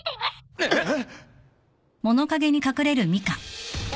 えっ！